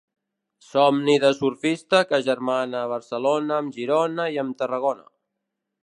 Somni de surfista que agermana Barcelona amb Girona i amb Tarragona.